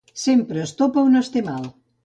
Sempre es topa on es té mal.